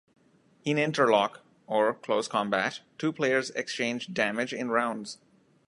In Interlock, or Close Combat, two players exchange damage in rounds.